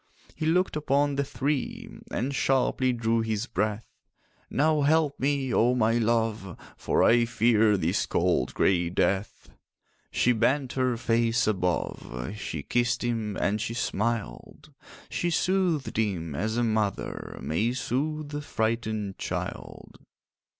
He looked upon the three, And sharply drew his breath: 'Now help me, oh my love, For I fear this cold grey death.' She bent her face above, She kissed him and she smiled; She soothed him as a mother May sooth a frightened child.